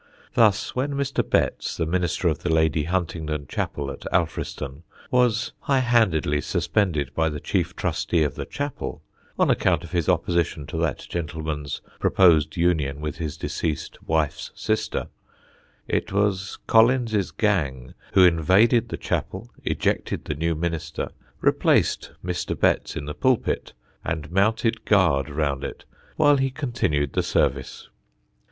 Thus when Mr. Betts, the minister of the Lady Huntingdon chapel at Alfriston, was high handedly suspended by the chief trustee of the chapel, on account of his opposition to that gentleman's proposed union with his deceased wife's sister, it was Collins's gang who invaded the chapel, ejected the new minister, replaced Mr. Betts in the pulpit, and mounted guard round it while he continued the service.